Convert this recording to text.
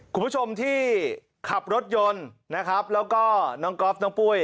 คุณผู้ชมที่ขับรถยนต์นะครับแล้วก็น้องก๊อฟน้องปุ้ย